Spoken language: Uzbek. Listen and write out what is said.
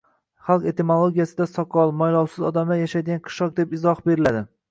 Xalq etimologiyasida soqol, mo‘ylovsiz kishilar yashaydigan qishloq deb izoh beriladi.